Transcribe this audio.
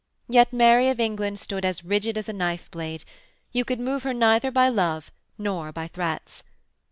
Yet Mary of England stood as rigid as a knife blade; you could move her neither by love nor by threats.